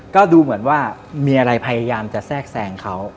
ก็ดูเหมือนว่ามีอะไรพยายามจะแทรกแซงเขา